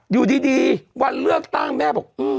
อยู่ดีวันเลือกตั้งแม่บอก